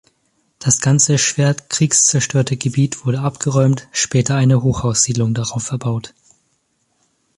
Das ganze schwer kriegszerstörte Gebiet wurde abgeräumt, später eine Hochhaussiedlung darauf erbaut.